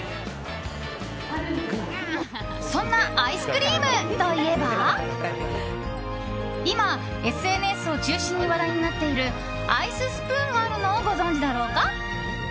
そんなアイスクリームといえば今、ＳＮＳを中心に話題になっているアイススプーンがあるのをご存じだろうか。